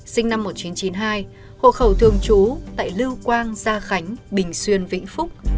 sinh năm một nghìn chín trăm chín mươi hai hộ khẩu thường trú tại lưu quang gia khánh bình xuyên vĩnh phúc